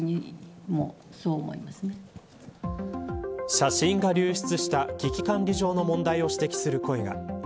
写真が流出した危機管理上の問題を指摘する声が。